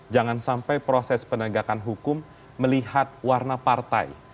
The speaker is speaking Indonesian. jangan sampai proses penegakan hukum melihat warna partai